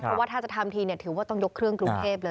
เพราะว่าถ้าจะทำทีถือว่าต้องยกเครื่องกรุงเทพเลย